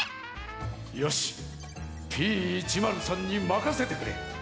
よしＰ１０３にまかせてくれ。